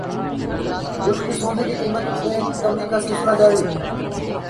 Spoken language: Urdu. ملک میں سونے کی قیمت میں کمی کا سلسلہ جاری